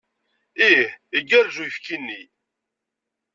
Ih, igerrez uyefki-nni.